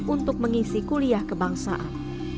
untuk mengisi kuliah kebangsaan